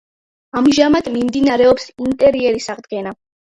ამჟამად მიმდინარეობს ინტერიერის აღდგენა.